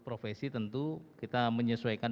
profesi tentu kita menyesuaikan